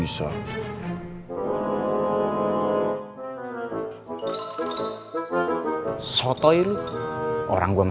udah mungkin umrah